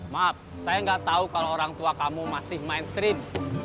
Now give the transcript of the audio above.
maaf saya nggak tahu kalau orang tua kamu masih mainstream